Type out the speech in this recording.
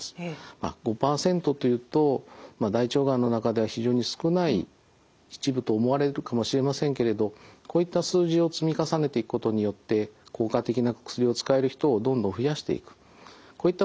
まあ５％というと大腸がんの中では非常に少ない一部と思われるかもしれませんけれどこういった数字を積み重ねていくことによって効果的な薬を使える人をどんどん増やしていくこういったことがですね